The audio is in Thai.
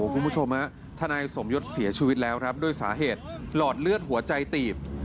คุณผู้ชมทนายสมยศเสียชีวิตแล้วครับด้วยสาเหตุหลอดเลือดหัวใจตีบ